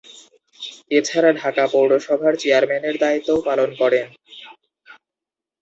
এছাড়া ঢাকা পৌরসভার চেয়ারম্যানের দায়িত্বও পালন করেন।